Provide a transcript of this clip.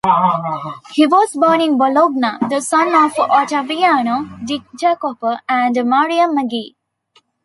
He was born in Bologna, the son of Ottaviano di Jacopo and Maria Maggi.